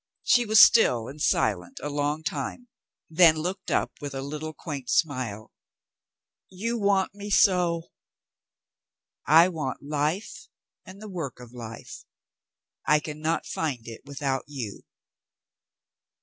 ... She was still and silent a long time, then looked up with a little, quaint smile. "You want me so?" "I want life and the work of life. I can not find it without you."